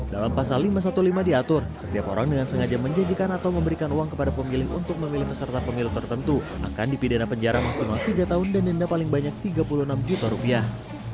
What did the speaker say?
dalam pasal lima ratus lima belas diatur setiap orang dengan sengaja menjanjikan atau memberikan uang kepada pemilih untuk memilih peserta pemilu tertentu akan dipidana penjara maksimal tiga tahun dan denda paling banyak tiga puluh enam juta rupiah